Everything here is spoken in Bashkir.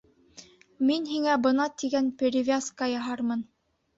Мин һиңә бына тигән перевязка яһармын.